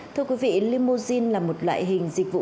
thưa quý vị limousine là một loại hình dịch vụ